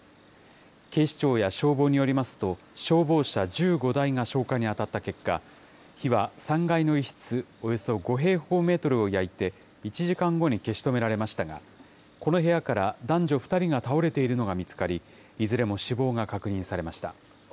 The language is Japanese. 警視庁や消防によりますと、消防車１５台が消火に当たった結果、火は３階の１室およそ５平方メートルを焼いて、１時間後に消し止められましたが、この部屋から男女２人が倒れているのが見つかり、いずれも死亡が確認されました。